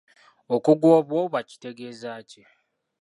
Okuggwa obw'oba kitegeeza ki?